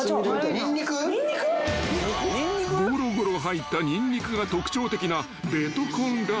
［ごろごろ入ったニンニクが特徴的な］